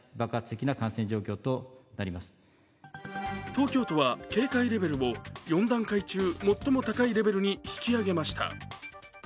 東京都は警戒レベルを４段階中、最も高いレベルに引き上げました。